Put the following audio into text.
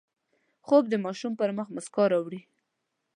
خوب د ماشوم پر مخ مسکا راوړي